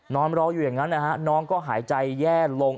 นอนรออยู่อย่างนั้นนะฮะน้องก็หายใจแย่ลง